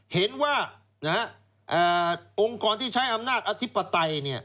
เห็นว่าองค์กรที่ใช้อำนาจอธิปไตย